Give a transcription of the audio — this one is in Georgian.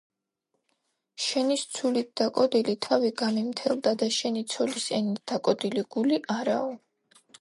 შენის ცულით დაკოდილი თავი გამიმთელდა და შენი ცოლის ენით დაკოდილი გული არაო